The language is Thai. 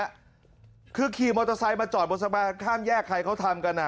ก็คือคีย์มอเตอร์ไซส์มาจอดบนสะพานข้ามแยกทันเขาทำกันนะ